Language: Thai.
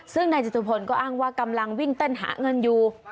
ซึ่งนายจตุพลก็อ้างว่ากำลังวิ่งเต้นหาเงินอยู่